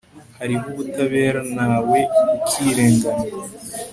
Hariho ubutabera ntawe ukirengana